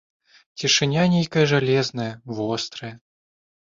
Цішыня нейкая жалезная, вострая.